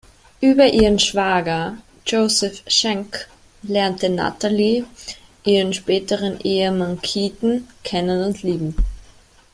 Über ihren Schwager Joseph Schenck lernte Natalie ihren späteren Ehemann Keaton kennen und lieben.